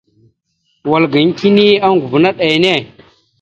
Wal gaŋa kini oŋgov naɗ enne.